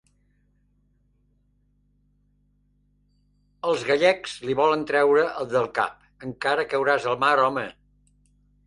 Els gallecs li volen treure del cap. Encara cauràs a mar, home!